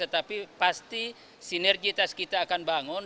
tetapi pasti sinergitas kita akan bangun